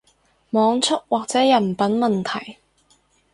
網速或者人品問題